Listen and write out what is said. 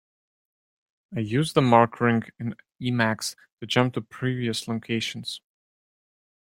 I use the mark ring in Emacs to jump to previous locations.